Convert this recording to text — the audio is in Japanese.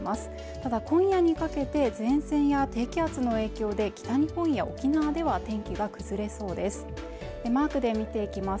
ただ今夜にかけて前線や低気圧の影響で北日本や沖縄では天気が崩れそうです